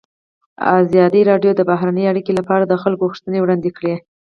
ازادي راډیو د بهرنۍ اړیکې لپاره د خلکو غوښتنې وړاندې کړي.